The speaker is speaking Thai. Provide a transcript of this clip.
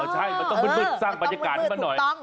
ใช่มันต้องมืดสร้างบรรยากาศให้มันหน่อย